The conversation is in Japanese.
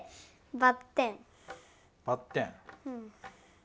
ばってん。